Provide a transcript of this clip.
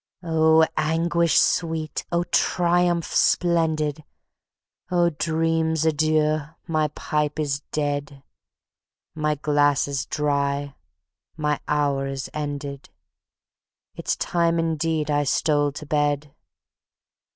..._ Oh, anguish sweet! Oh, triumph splendid! Oh, dreams adieu! my pipe is dead. My glass is dry, my Hour is ended, It's time indeed I stole to bed.